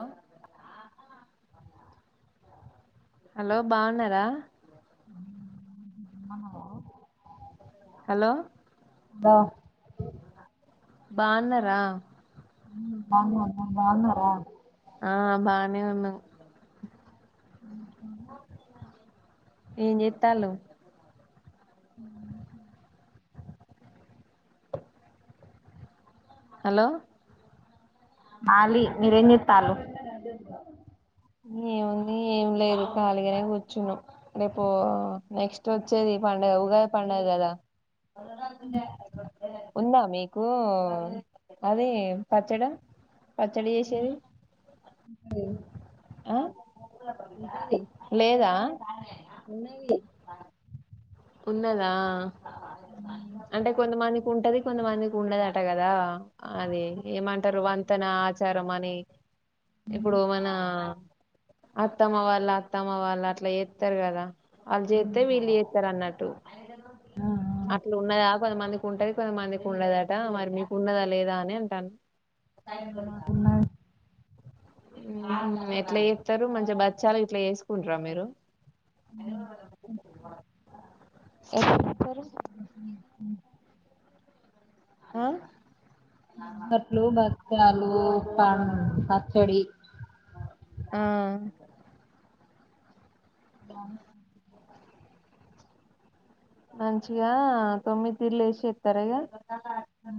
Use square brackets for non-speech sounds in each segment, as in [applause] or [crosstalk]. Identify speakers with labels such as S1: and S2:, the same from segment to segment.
S1: [inaudible] Hello బాగున్నారా
S2: hello
S1: hello
S2: దా
S1: బావున్నరా
S2: ఉమ్ బాగున్నార బాగున్నార
S1: ఆ బానే ఉన్నాం
S2: ఉమ్
S1: ఏం చేత్తాల్లు
S2: అ
S1: హలో
S2: మాలి మేరెంజెతాల్లు
S1: [unintelligible] ఏం లేదు ఖాళీ గానే కూర్చున్నాం రేపు నెక్స్ట్ వచ్చేది పండుగ ఉగాది పండుగ గద ఉందా మీకు అదే పచ్చడి పచ్చడిచేసేది ఆ లేదా
S2: ఉన్నాయి
S1: ఉన్నదా అంటే కొంతమంది ఉంటది కొంతమందికి ఉండదట కదా అది ఏమంటారు వంతెన ఆచారం అని ఇప్పుడు మన అత్తమ్మ వాళ్ళ అత్తమ్మ వాళ్ళ అట్లా చేస్తారు కదా వాళ్ళు చేస్తే వీళ్ళు చేస్తారు అన్నట్టు
S2: ఆ
S1: అట్లా ఉన్నాయా కొంతమందికి ఉంటది కొంతమందికి ఉండదట మరి మీకు ఉండదా లేదా అని అంటాను
S2: మాకున్నది
S1: ఎట్లా వేస్తారు మంచిగా బచ్చాలు ఇట్లా వేసుకుంటార మీరు ఎక్కరు హ
S2: బట్లు బట్టలు పా పచ్చడి
S1: ఆ
S2: ఆ
S1: మంచిగా తొమ్మిది ఇల్లు ఏసీ ఎత్తరు గా
S2: హు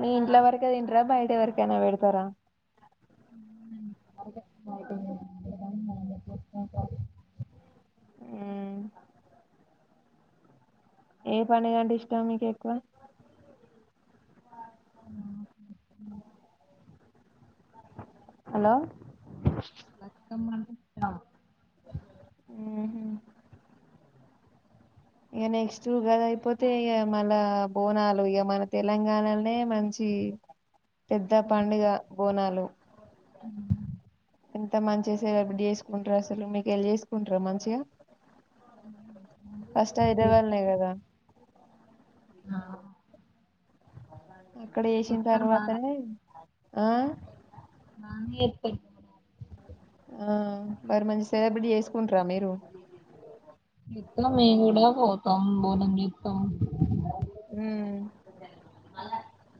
S1: నీ ఇంట్లో వరకె తింటరా, బయట ఎవరికైనా వెడతారా?
S2: గ అ
S1: ఊ ఏ పండగ అంటే ఇష్టం మీకెక్కువ? హలో
S2: మొత్తం అడు తా
S1: మ్మ్. ఇగ నెక్స్ట్ ఉగాది అయిపోతే, ఇగ మళ్ళ బోనాలు, ఇగ మన తెలంగాణల్నే మంచి ఇ పెద్ద పండుగ బోనాలు
S2: ఉ
S1: ఎంత మంచిగ సెలబెట్ చేసుకుంట్రు అసలు, మీకెల్ చేసుకుంట్ర మంచిగా ఫస్ట్ హైదరాబాద్లోనే కదా
S2: ఆ
S1: అక్కడ చేసిన్ తర్వాతనే ఆ
S2: ఆన్ ఎతయ్
S1: ఆ మరి మంచి సెలబ్రిటీ చేసుకుంట్ర మీరు?
S2: ఎపుల మేం కూడా పోతాం బోనం చెత్తాం
S1: ఉ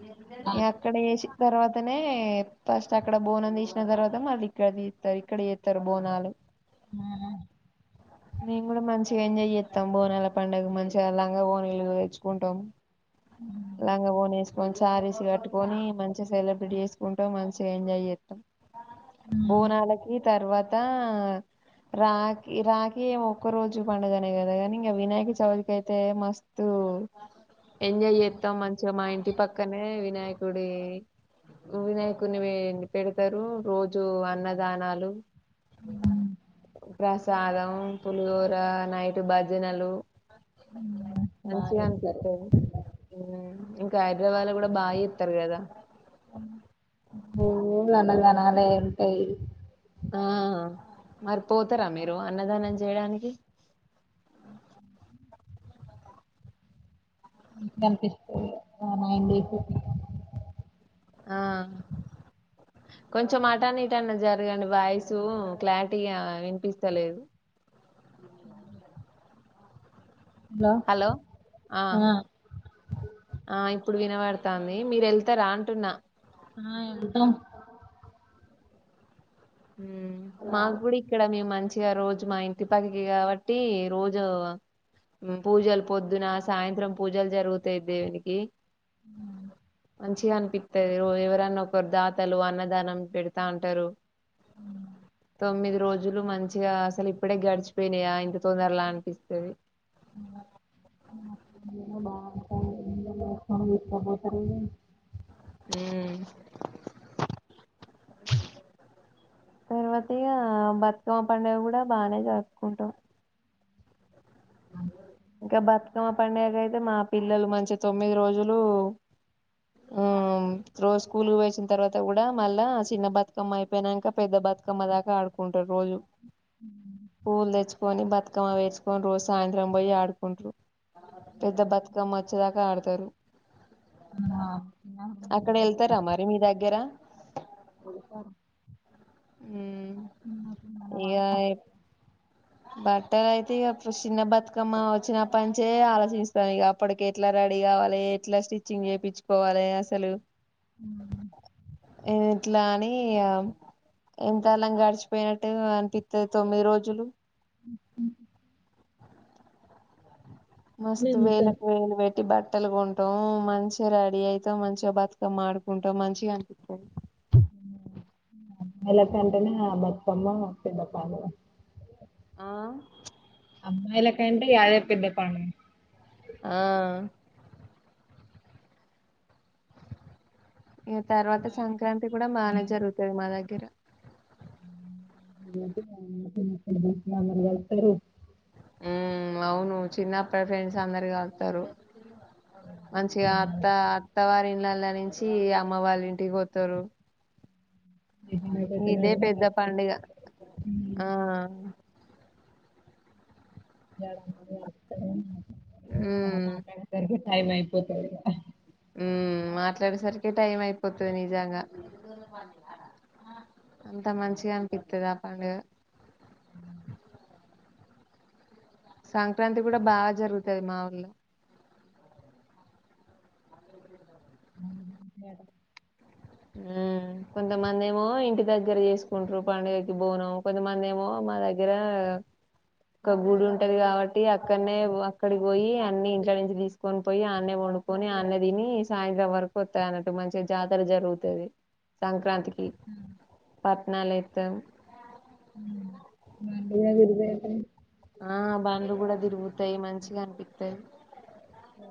S1: ఇగ అక్కడ చేసిన్ తర్వాత నే ఫస్ట్ అక్కడ బోనం తీసిన తర్వాత, మళ్ళీ ఇక్కడ తీస్తారు ఇక్కడ తీస్తారు బోనాలు
S2: ఆ
S1: మేం కూడ మంచిగా ఎంజాయ్ చెత్తం బోనాల పండగ, మంచిగ లంగ ఓనీలు తెచ్చుకుంటాం. లంగ వోని ఎస్కొని, సారీస్ కట్టుకొని, మంచిగా సెలబ్రిట్ చేసుకుంటాం, మంచిగా ఎంజాయ్ చెత్తం. బోనాలకి తర్వాత ఆ రాఖ రాఖీ ఏ ఒక్క రోజు పండుగనే కదా, కానీ ఇంక వినాయక చవితికి అయితే మస్తు ఉ ఎంజాయ్ చే ఇ మా ఇంటి పక్కనే వినాయకుడి వినాయకుని ఇ పెడతరు. రోజు అన్నదానాలు. అ ప్రసాదం, పులిహోర, నైటు భజనలు.
S2: చేత్తం బాగా
S1: మంచిగ
S2: చేత్తరు
S1: అనిపిత్తది. ఇంక హైదరాబాద్ ల కూడ బా చెత్తరు కదా
S2: ఉ అన్నదనాలే ఉంటయ్
S1: ఆ మరి పోతరా మీరు అన్నదానం చేయడానికి?
S2: ఉ కనిపిస్త ఆ నైన్ డేస్
S1: ఆ కొంచెం అటన్న ఇటన్న జరగండి, వాయిసు క్లారిటీగా వినిపిస్తలేదు.
S2: ఉ
S1: హలో ఆ ఆ ఇ ఇపుడు వినబడతాంది. మీరు ఎళ్తారా అంటున్న?
S2: ఆ ఎల్థమ్
S1: ఉ మాగుడ ఇక్కడ మేం మంచ్ ఇగ రోజు మా ఇంటి పకికె కాబట్టి రోజు పూజలు పొద్దున, సాయంత్రం పూజలు జరుగుతాయి దేవునికి.
S2: ఉమ్
S1: మంచిగా అనిపితది. ఎరో ఎవరన్న ఒకరు దాతలు అన్నదానం పెడతా ఉంటారు.
S2: ఉ
S1: తొమ్మిది రోజులు మంచిగా అసలు ఇప్పుడే గడిచిపోయినాయా ఇంత తొందరలా అనిపిస్తది.
S2: [unintelligible]
S1: ఉ తర్వాతిగా బతుకమ్మ పండుగ కూడా బానే జరుపుకుంటాం.
S2: మ్
S1: ఇంకా బతుకమ్మ పండగ అయితే మా పిల్లలు మంచిగా తొమ్మిది రోజులు ఉమ్ రోజు స్కూల్ కి పోయోచ్చిన తర్వాత కూడా మళ్ళా చిన్న బతుకమ్మ అయిపోనాక పెద్ద బత్ బతుకమ్మ దాకా ఆడుకుంటారు రోజు పూలు తెచ్చుకొని బతుకమ్మ వేసుకొని రోజు సాయంత్రం పోయి ఆడ్ ఆడుకుంటురు పెద్ద బతుకమ్మ వచ్చేదాకా ఆడుతారు.
S2: ఆ
S1: అక్కడ వెళ్తారా మరి మీ దగ్గర
S2: చిన్నప్పుడు మనం ఆడుతాం
S1: బట్టలయితే ఇగ చిన్న బతుకమ్మ వచ్చినప్ప నుంచే ఆలోచిస్తా ఇక అప్పటికేట్ల రడి రెడీ గవాలే ఎట్లా స్టిచ్చింగ్ చేపించుకోవాలే అసలు
S2: ఆడుకోం
S1: ఎట్లా అని ఇగం ఎంత కాలం గడిచిపోయినట్టు అనిపిత్తది తొమ్మిది రోజులు. మస్తు వేలకు వేలు పె ట్టి బట్టలు కొంటాం మంచిగా రెడీ అయితాం మంచిగా బతుకమ్మ ఆడుకుంటాం మంచిగా అనిపితది.
S2: వెల వెంటనే బతుకమ్మ పెద్ద పాను
S1: ఆ
S2: అమ్మాయిలే కంటే యాదే పెద్ద పం
S1: ఆ ఇగ తర్వాత సంక్రాంతి కూడా బానే జరుగుతది మా దగ్గర.
S2: అందరు కలుస్తారు
S1: ఉ అవును చిన్నప్పటి ఫ్రెండ్స్ అందరు కలత్తరు మంచిగా అత్త అత్త వారి ఇన్ నెల నుంచి అమ్మ వాళ్ళ ఇంటికి పోతారు. ఇదే పెద్ద పండుగ ఆ ఉమ్
S2: మాట్లాడే సరికి టైం అయిపోతది
S1: ఉ మాట్లాడేసరికి టైం అయిపోతది నిజంగా అంత మంచిగా అనిపిత్తది ఆ పండుగ
S2: మ్
S1: సంక్రాంతి కూడా బాగా జరుగుతది మా ఊర్లో ఉ కొంతమంది ఏమో ఇంటి దగ్గర చేసుకుంటారు పండుగకి బోవనం కొంతమంది ఏమో మా దగ్గర ఒక గుడి ఉంటది కాబట్టి అక్కన్నే అక్కడికి పోయి అన్ని ఇంట్లో నుంచి తీసుకొని పోయి అన్నే పడుకొని అన్నే తిని సాయంత్రం వరకు వత్తయ్ అన్నట్టు మంచిగా జాతర జరుగు తేది సంక్రాంతికి పట్నాలేత్తం
S2: ఉ బ విరుదే [unintelligible]
S1: ఆ బండ్లు కూడా తిరుగుతాయ్ మంచిగా అనిపితయ్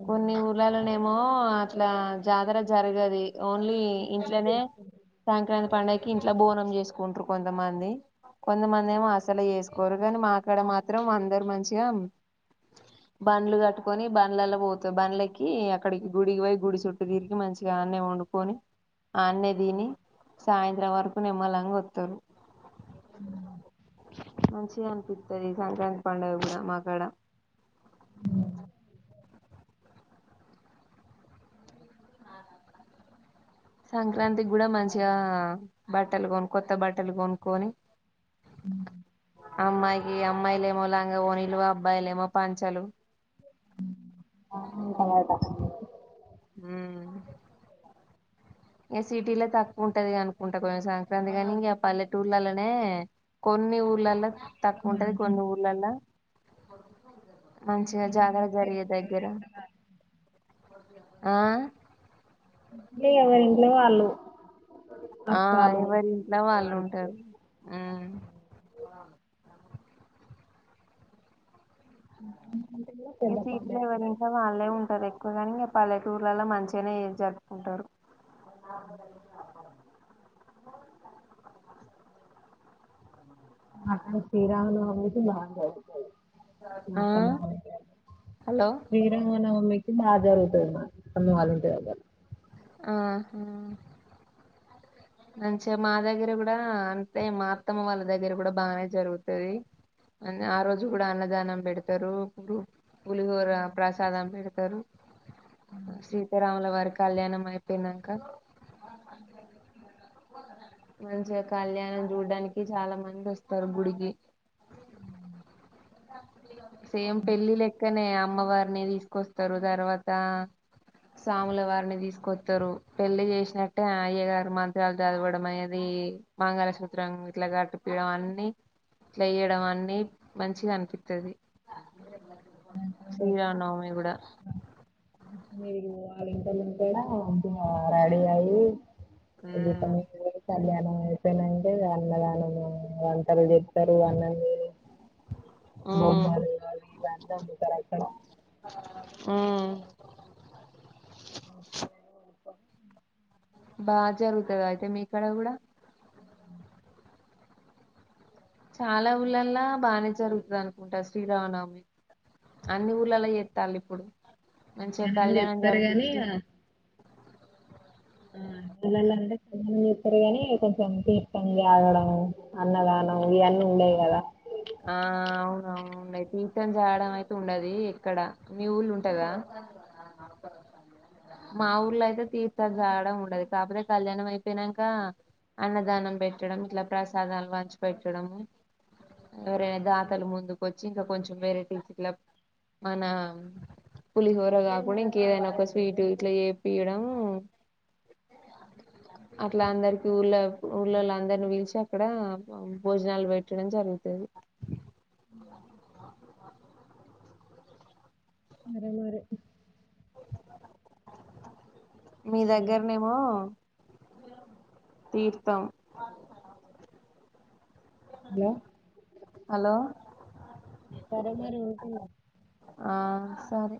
S1: కొన్ని ఊర్లలలోనేమో అట్లా జాతర జరగదు ఇ ఓన్లీ ఇంట్లోనే
S2: వాళ్ళు
S1: సంక్రాంతి పండగ్ ఇంట్లో బోనం చేసుకుంటారు కొంతమంది కొంతమంది ఏమో అసలు చేసుకోరు కానీ మా అక్కడ మాత్ మాత్రం అందరు మంచిగామ్ బండ్లు కట్టుకొని బండ్లలో పోతా బండ్లకి అక్కడికి గుడికి పోయి గుడి చుట్టూ తిరిగి మంచిగా గన్నే వండుకొని ఆన్నే తిని సాయంత్రం వరకు నిమ్మలాంగా వత్తరు. మంచిగా అనిపితది సంక్రాంతి పండగ కూడా మాక్కడ సంక్రాంతి కూడా మంచిగా బట్టలు కొను కొొత్త బట్టలు కొనుక్కని అమ్మాయికి అమ్మాయిలేమో లాంగ ఒనీలు అబ్బాయిలేమో పంచలు
S2: [inaudible]
S1: ఉమ్ ఈ సిటీలో తక్కువ ఉంటది అనుకుంటా కొంచెం సంక్రాంతి గాని ఇంకా పల్లెటూర్లలోనే కొన్ని ఊర్లలో తక్కువ ఉంటది కొన్ని ఊర్లలా మంచిగా జాగర జరిగే దగ్గర ఆ
S2: [inaudible] ఎవరి ఇంట్లో వాళ్ళు
S1: ఆ
S2: అప్పాలు
S1: ఎవరి ఇంట్లా
S2: పిండి
S1: వాళ్ళు
S2: వంటలు
S1: ఉంటారు ఉమ్
S2: అంటే కూడా
S1: ఇక
S2: పెద్ద పండుగ
S1: సిటీలో ఎవరి
S2: అండి
S1: ఇంట్లో వాళ్ళే ఉంటారు ఎక్కువగాని ఇంకా పాలె టూర్లలో మంచిగానే జరుపుకుంటారు
S2: మకాడా శ్రీరామా నవమి కి బాగా
S1: ఆ హలో
S2: [inaudible] శ్రీరమనవమికి బాగా జరుగుతాది మా అత్తమ్మ వాళ్ళ ఇంటి దగ్గర
S1: ఆహా మంచిగా మా దగ్గర కూడా అంతే మా అత్తమ్మ వాళ్ళ దగ్గర కూడా బాగానే జరుగుతుది అ ఆ రోజు కూడా అన్నదానం పెడతారు [unintelligible] పులిహోర ప్రసాదం పెడతారు సీతారాముల వారి కళ్యాణం అయిపోయ్నంకా మంచిగా కళ్యాణం చూడ్డానికి చాలా మంది వస్తారు గుడికి సేమ్ పెళ్ళి లెక్కనే అమ్మవారిని తీసుకొస్తారు తర్వాత స్వాముల వారిని తీసుకొతారు పెళ్లి చేసినట్టే అయ్య గారు మంత్రాలు చదవడం అది మంగళ సూత్రం ఇట్లా గట్ పియడం అన్ని ఇట్లా ఇయడం అన్ని మం చిగా ఆనిపితాది శ్రీరామానవమి కూడా
S2: మీరు [inaudible] రెడీ అ్య
S1: ఉమ్
S2: [inaudible] కళ్యాణం అయిపోయిన వెంటనే అన్నదానము వంటలు చెప్తారు అన్నం
S1: ఉమ్
S2: బొమ్మలు ఆవి ఇవి అంతా అమ్ముతారు అక్కడా
S1: ఉమ్.
S2: [inaudible]
S1: బా జరుగుతాదా అయితే మీక్కడ కూడా చాలా ఊళ్ళలా బాగానే జరుగుతది అనుకుంటా శ్రీరామనవమి అన్ని ఊర్ళలో చేతాలి ఇప్పుడు మంచిగా
S2: అన్ని
S1: కళ్యాణం
S2: చేత్తరు గాని
S1: జరిపించి
S2: ఆ
S1: అ
S2: [unintelligible] చెతారు గాని కొంచెం తీర్థం జగడం అన్నదానం ఇవన్నీ ఉండేవి కదా
S1: ఆ అవును అవును తీర్థం జాడం అయితే ఉండది ఎక్కడ మీ ఊళ్ళో ఉంటదా మా ఊర్లో అయితే తీర్థాలు జాగడం ఉండదు కాకపోతే కళ్యాణం అయిపోయినంకా అన్నదానం పెట్టడం ఇట్లా ప్రసాదాలు వంచి పెట్టడము ఎవరైనా దాతలు ముందుకు వచ్చి ఇంకా కొంచెం వెరైటీస్ ఇట్లా మన పులిహోర కాకుండా ఇంకేదైనా ఒక స్వీటు ఇట్లా ఏ పీయడం అట్లా అందరికి ఊళ్ళ ఊళ్ళలో అందరినీ పీలిచి అక్కడ భోజనాలు పెట్టడం జరుగ్ తది
S2: సరే మరి
S1: మీ
S2: హలో
S1: దగ్గరనేమో తీర్థం
S2: హలో
S1: హలో
S2: సరే మరి పోతున్న
S1: ఆ సరే